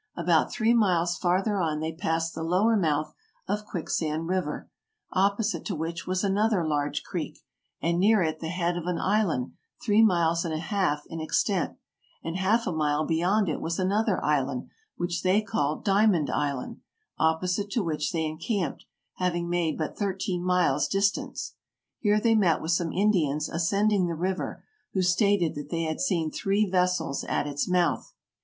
About three miles farther on they passed the lower mouth of Quicksand River, oppo site to which was another large creek, and near it the head of an island three miles and a half in extent, and half a mile beyond it was another island, which they called Diamond Island, opposite to which they encamped, having made but thirteen miles' distance. Here they met with some Indians ascending the river, who stated that they had seen three vessels at its mouth.